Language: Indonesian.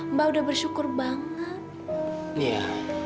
mbak udah bersyukur banget